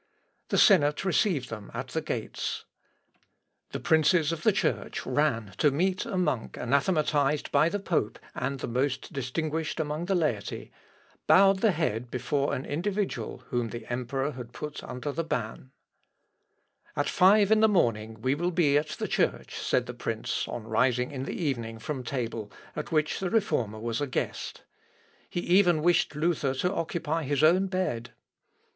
The senate received them at the gates. The princes of the Church ran to meet a monk anathematised by the pope, and the most distinguished among the laity, bowed the head before an individual whom the emperor had put under the ban. Senatus intra portas nos excepit (L. Ep. ii, p. 6.) [Sidenote: LUTHER AT EISENACH.] "At five in the morning we will be at the church," said the prince, on rising in the evening from table, at which the Reformer was a guest. He even wished Luther to occupy his own bed.